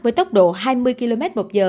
với tốc độ hai mươi kmh